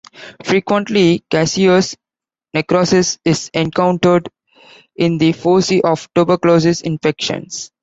Frequently, caseous necrosis is encountered in the foci of tuberculosis infections.